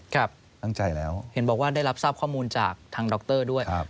ครับเห็นบอกว่าได้รับทราบข้อมูลจากทางดอกเตอร์ด้วยครับ